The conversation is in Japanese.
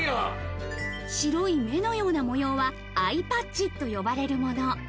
白い目のような模様はアイパッチと呼ばれるもの。